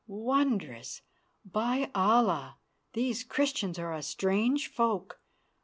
Wondrous! By Allah! these Christians are a strange folk.